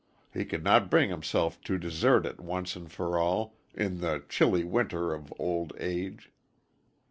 He could not bring himself to desert it once and for all, in the chilly winter of old age.